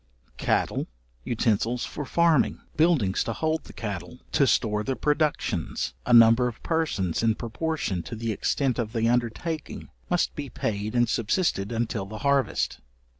Cattle, utensils for farming, buildings to hold the cattle, to store the productions, a number of persons, in proportion to the extent of the undertaking, must be paid and subsisted until the harvest.